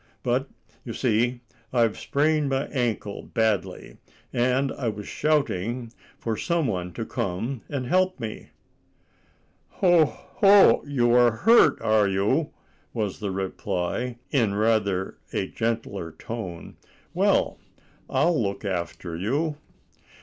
But, you see, I've sprained my ankle badly, and I was shouting for some one to come and help me." "Ho, ho! you are hurt, are you?" was the reply, in rather a gentler tone. "Well, I'll look after you."